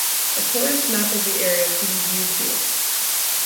A tourist map of the area can be viewed here.